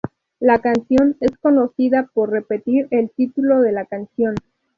La canción es conocida por repetir el título de la canción.